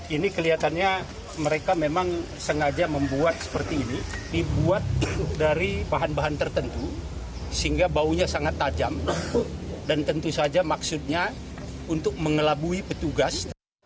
ini kelihatannya mereka memang sengaja membuat seperti ini dibuat dari bahan bahan tertentu sehingga baunya sangat tajam dan tentu saja maksudnya untuk mengelabui petugas